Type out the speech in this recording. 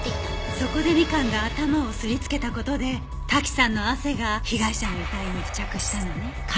そこでみかんが頭をすりつけた事で滝さんの汗が被害者の遺体に付着したのね。